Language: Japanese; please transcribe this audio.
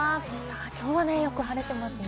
きょうはよく晴れてますね。